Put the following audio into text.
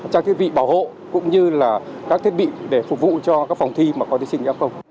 trang thiết bị bảo hộ cũng như là các thiết bị để phục vụ cho các phòng thi mà có thí sinh giao không